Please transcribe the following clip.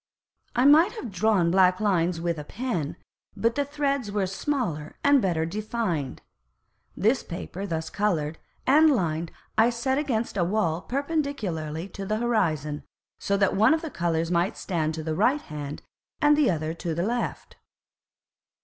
I might have drawn black Lines with a Pen, but the Threds were smaller and better defined. This Paper thus coloured and lined I set against a Wall perpendicularly to the Horizon, so that one of the Colours might stand to the Right Hand, and the other to the Left.